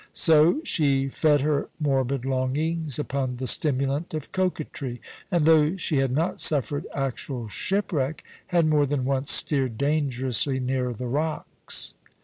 So she fed her morbid longings upon the stimulant of coquetr} , and though she had not suffered actual ship\\Teck, had more than once steered dangerously near the rocks.